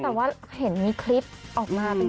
แต่ว่าเห็นมีคลิปออกมาเป็น